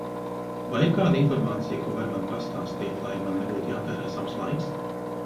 Vai ir kāda informācija, ko vari man pastāstīt, lai man nebūtu jātērē savs laiks?